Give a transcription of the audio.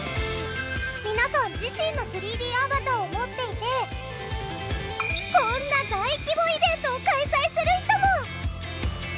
皆さん自身の３Ｄアバターを持っていてこんな大規模イベントを開催する人も！